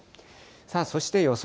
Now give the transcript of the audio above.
そして予想